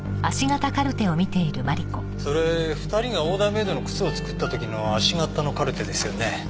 それ２人がオーダーメイドの靴を作った時の足型のカルテですよね。